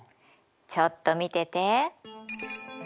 ちょっと見てて！